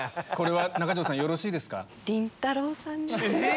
中条さんよろしいですか？